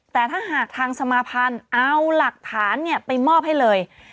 แต่ถ้าหากทางสมาภัณฑ์เอาหลักฐานไปมอบให้เลย